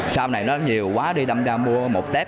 sau này nó nhiều quá đi đâm ra mua một tép